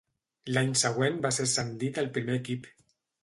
L'any següent, va ser ascendit al primer equip.